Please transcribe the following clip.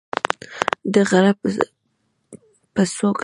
د غره په څوک لس ونې ولاړې دي